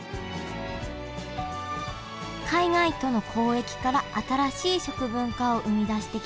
海外との交易から新しい食文化を生み出してきた長崎。